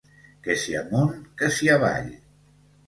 Que si amunt que si avall.